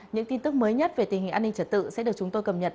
những tin tức mới nhất về tình hình an ninh trật tự sẽ được chúng tôi cập nhật